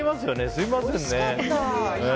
すみませんね。